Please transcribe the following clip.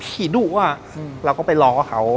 ผิดดุอ่ะเราก็ไปล้อว่าเขา